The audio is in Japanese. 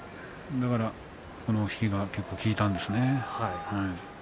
だから引きが結構効いたんですね。